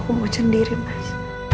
aku mau cendiri mas